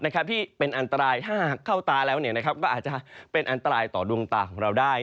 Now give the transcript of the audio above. ที่เป็นอันตรายถ้าหากเข้าตาแล้วก็อาจจะเป็นอันตรายต่อดวงตาของเราได้